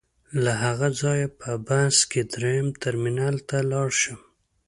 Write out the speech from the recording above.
له هغه ځایه په بس کې درېیم ټرمینل ته لاړ شم.